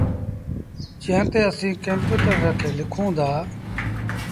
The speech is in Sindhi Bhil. جݩهݩ تي اسيٚݩ ڪمپيوٽر رکي لکون دآ۔